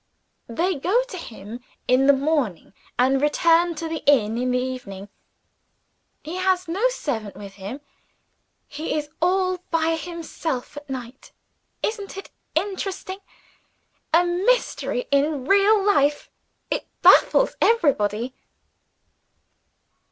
They go to him in the morning, and return to the inn in the evening. He has no servant with him. He is all by himself at night. Isn't it interesting? A mystery in real life. It baffles everybody."